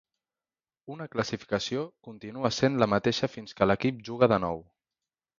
Una classificació continua sent la mateixa fins que l'equip juga de nou.